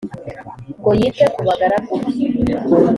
ngo yite ku bagaragu be